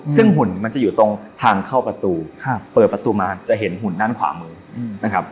ซึ่งหุ่นมันจะอยู่ตรงทางเข้าประตูเปิดประตูมาจะเห็นหุ่นด้านขวามือนะครับ